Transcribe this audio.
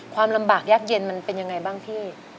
ความลำบากยากเย็นมันเป็นยังไงบ้างพี่